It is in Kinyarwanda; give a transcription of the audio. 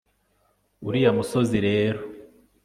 uriya musozi rero